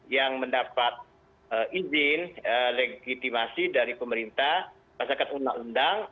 yang mendapat izin legitimasi dari pemerintah masyarakat undang undang